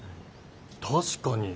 確かに。